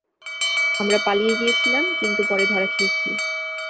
আমরা পালিয়ে গিয়েছিলাম, কিন্তু পরে ধরা খেয়েছি।